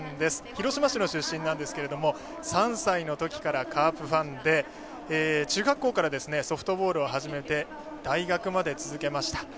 広島市の出身なんですが３歳のときからカープファンで中学校からソフトボールを始めて大学まで続けました。